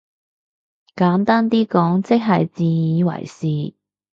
簡單啲講即係自以為是？